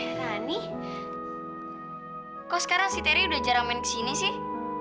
rani kok sekarang si teri udah jarang main kesini sih